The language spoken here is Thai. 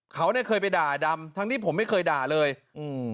เขาเนี่ยเคยไปด่าดำทั้งที่ผมไม่เคยด่าเลยอืม